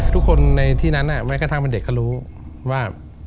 ทุกคนในที่นั้นแม้กระทั่งเป็นเด็กก็รู้ว่า